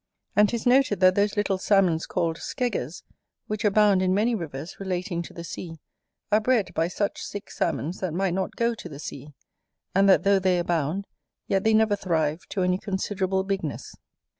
And 'tis noted, that those little Salmons called Skeggers, which abound in many rivers relating to the sea, are bred by such sick Salmons that might not go to the sea, and that though they abound, yet they never thrive to any considerable bigness.